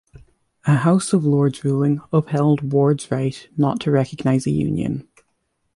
A House of Lords ruling upheld Ward's right not to recognise a union.